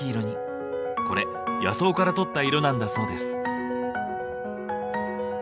これ野草からとった色なんだそうです。